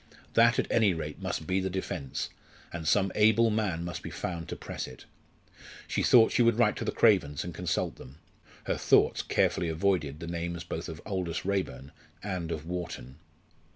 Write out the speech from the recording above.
That at any rate must be the defence, and some able man must be found to press it. She thought she would write to the Cravens and consult them. Her thoughts carefully avoided the names both of Aldous Raeburn and of Wharton.